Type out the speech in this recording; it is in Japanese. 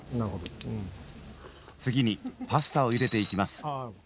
次にパスタをゆでていきます。